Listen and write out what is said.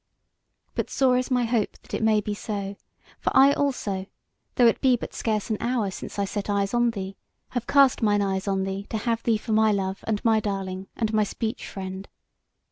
But sore is my hope that it may be so; for I also, though it be but scarce an hour since I set eyes on thee, have cast mine eyes on thee to have thee for my love and my darling, and my speech friend.